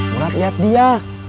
murad lihat dia